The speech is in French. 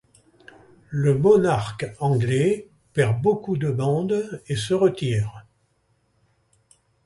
Le monarque anglais perd beaucoup de monde, et se retire.